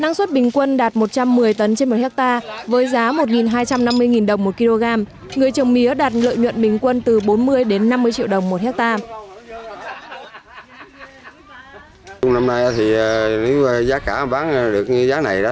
năng suất bình quân đạt một trăm một mươi tấn trên một hectare với giá một hai trăm năm mươi đồng một kg người trồng mía đạt lợi nhuận bình quân từ bốn mươi đến năm mươi triệu đồng một hectare